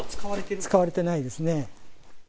使われてないですね。